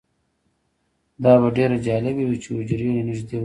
دا به ډیره جالبه وي چې حجرې له نږدې ووینو